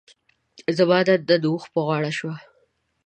زما دنده د اوښ په غاړه شوه.